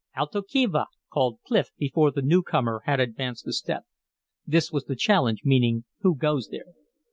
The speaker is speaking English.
"Alto quien va?" called Clif before the newcomer had advanced a step. This was the challenge, meaning, "Who goes there?"